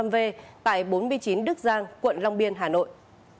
hai nghìn chín trăm linh năm v tại bốn mươi chín đức giang tp hcm